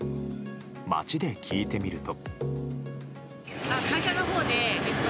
街で聞いてみると。